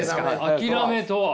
諦めとは？